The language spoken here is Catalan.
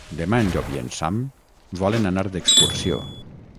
Demà en Llop i en Sam volen anar d'excursió.